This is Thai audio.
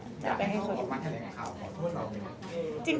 อยากให้เขาออกมาขนาดนั้นหรือเปล่า